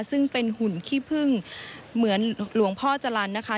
ซึ่งเป็นหุ่นขี้พึ่งเหมือนหลวงพ่อจรรย์นะคะ